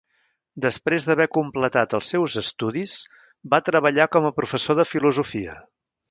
Després d'haver completat els seus estudis, va treballar com a professor de filosofia.